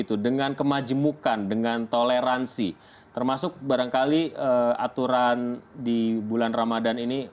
menilai dengan sesuatu yang di bali